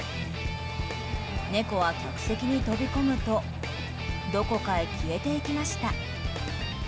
猫は客席に飛び込むとどこかへ消えていきました。